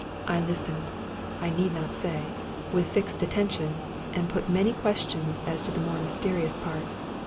I listened, I need not say, with fixed attention, and put many questions as to the more mysterious part.